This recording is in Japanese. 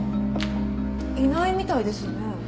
いないみたいですね。